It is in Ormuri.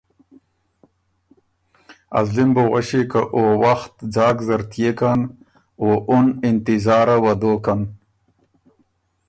ازلی م بُو غؤݭی که او وخت ځاک زر تيېکن او اُن انتظاره وه دوکن